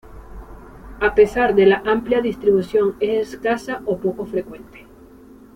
A pesar de la amplia distribución es escasa o poco frecuente.